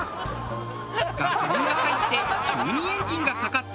ガソリンが入って急にエンジンがかかった峰子さん。